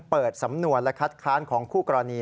เปิดสำนวนและคัดค้านของคู่กรณี